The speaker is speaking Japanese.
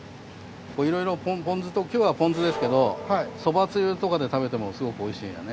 いろいろ今日はポン酢ですけどそばつゆとかで食べてもすごくおいしいんよね。